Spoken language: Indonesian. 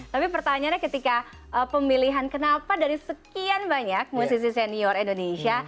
tapi pertanyaannya ketika pemilihan kenapa dari sekian banyak musisi senior indonesia